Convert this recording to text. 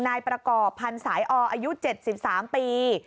นายประกอบพันธ์สายออายุ๗๓ปี